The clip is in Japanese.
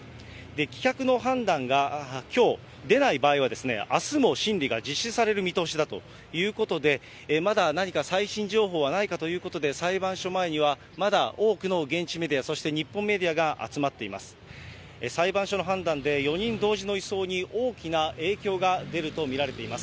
棄却の判断がきょう出ない場合はですね、あすも審理が実施される見通しだということで、まだ何か最新情報はないかということで、裁判所前にはまだ多くの現地メディア、そして日本メディアが集まっています。